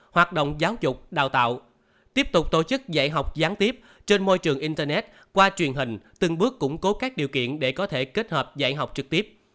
hoạt động giáo dục đào tạo tiếp tục tổ chức dạy học gián tiếp trên môi trường internet qua truyền hình từng bước củng cố các điều kiện để có thể kết hợp dạy học trực tiếp